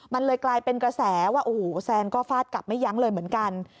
มันเลยกลายเป็นกระแสว่าโอ้โหแซนก็ฟาดกลับไม่ยั้งเลยเหมือนกัน